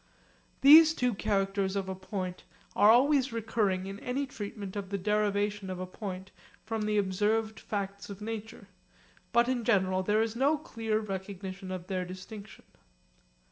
These two characters of a point are always recurring in any treatment of the derivation of a point from the observed facts of nature, but in general there is no clear recognition of their distinction.